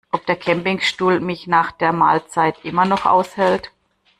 Ob der Campingstuhl mich nach der Mahlzeit immer noch aushält?